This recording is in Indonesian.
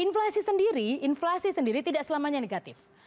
jadi inflasi sendiri tidak selamanya negatif